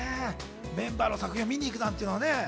メンバーの作品を見に行くなんてね。